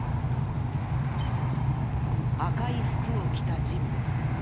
赤い服を着た人物。